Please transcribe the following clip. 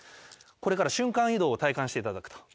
これから瞬間移動を体感していただくと。